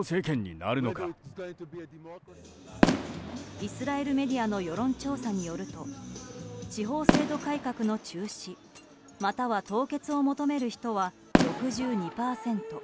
イスラエルメディアの世論調査によると司法制度改革の中止または凍結を求める人は６２％。